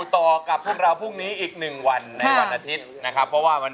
ตัวไหนที่ว่าสวย